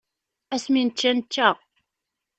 Asmi nečča, nečča.